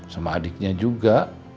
sama adiknya juga